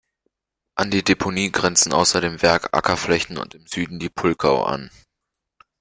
An die Deponie grenzen außer dem Werk Ackerflächen und im Süden die Pulkau an.